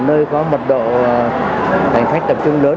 nơi có mật độ hành khách tập trung lớn